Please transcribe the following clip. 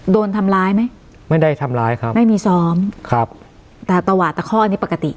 โดนทำร้ายไหมไม่ได้ทำร้ายครับไม่มีซ้อมครับแต่ตวาดตะข้ออันนี้ปกติ